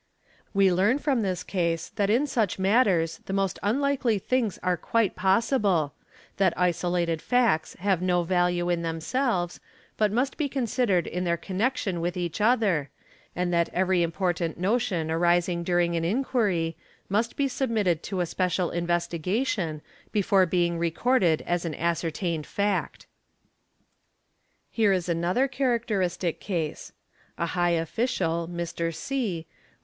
We learn from this case that in such matters the most unlikely things are quite possible, that isolated facts have no value in themselves, but must be considered in their connection with each other, and that every important notion arising during an inquiry, must be submitted to a special investigation before being recorded as an ascertained fact. { Here is another characteristic case. A high official, Mr. C., was.